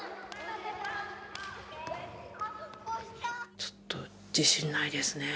ちょっと自信ないですねえ。